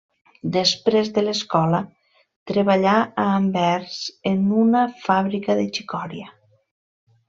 Després de l'escola, treballà a Anvers en una fàbrica de xicoira.